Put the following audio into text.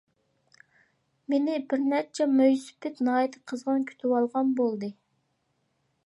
مېنى بىر نەچچە مويسىپىت ناھايىتى قىزغىن كۈتۈۋالغان بولدى.